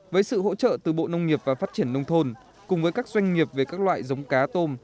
với sự hỗ trợ từ bộ nông nghiệp và phát triển nông thôn cùng với các doanh nghiệp về các loại giống cá tôm